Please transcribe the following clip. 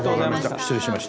失礼しました。